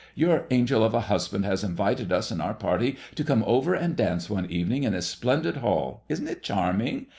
Your angel of a husband has invited us and our party to come over and dance one evening in this splendid hall. Isn't it charm ing?